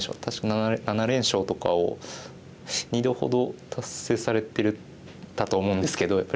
確か７連勝とかを２度ほど達成されてたと思うんですけど。